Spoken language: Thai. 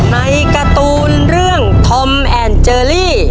ในการ์ตูนเรื่องธอมแอนเจอรี่